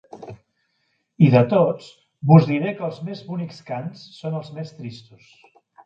I, de tots, vos diré que els més bonics cants són els més tristos.